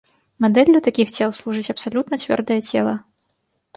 Мадэллю такіх цел служыць абсалютна цвёрдае цела.